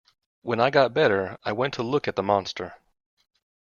When I got better, I went to look at the monster.